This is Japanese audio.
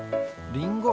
りんご。